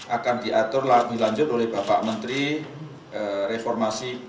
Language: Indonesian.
akan diatur lebih lanjut oleh bapak menteri reformasi